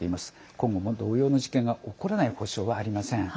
今後も同様の事件が起こらない保障はありません。